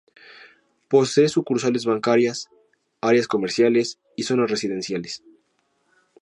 Posee sucursales bancarias, áreas comerciales y zonas residenciales.